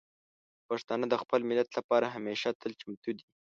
پښتانه د خپل ملت لپاره همیشه تل چمتو دي.